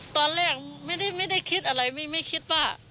ตอนแรกไม่ได้คิดอะไรไม่คิดว่า